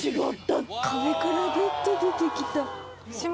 壁からベッド出てきた。